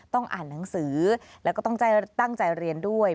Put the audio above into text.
ต้องอ่านหนังสือแล้วก็ต้องตั้งใจเรียนด้วย